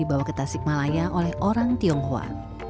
dibawa ke tasik malaya oleh orang tionghoa